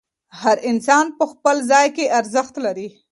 هر انسان په خپل ځای کې ارزښت لري.